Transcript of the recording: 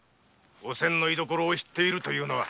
おせんの居所を知っているというのは。